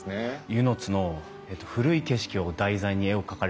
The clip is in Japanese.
温泉津の古い景色を題材に絵を描かれてるじゃないですか。